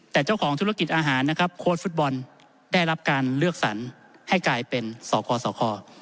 แต่เจ้าของธุรกิจอาหารนะครับโค้ชฟุตบอลได้รับการเลือกสรรให้กลายเป็นสคสค